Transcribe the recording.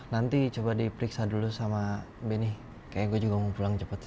nanti coba diperiksa dulu sama benny kayaknya gue juga mau pulang cepat